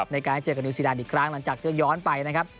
ในการให้เจอกับนิวซีดานอีกครั้งหลังจากที่ย้อนไปนะครับ